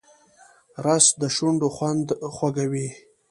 رس د شونډو خوند خوږوي